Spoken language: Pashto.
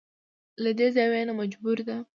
له دې زاويې نه مجبوره ده.